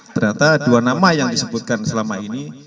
ternyata dua nama yang disebutkan selama ini